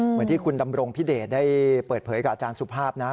เหมือนที่คุณดำรงพิเดชได้เปิดเผยกับอาจารย์สุภาพนะ